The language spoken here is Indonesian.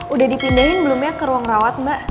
udah dipindahin belumnya ke ruang rawat mbak